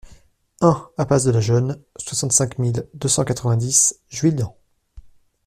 un impasse de la Geune, soixante-cinq mille deux cent quatre-vingt-dix Juillan